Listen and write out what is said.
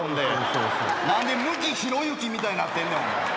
何で向きひろゆきみたいになってんねん。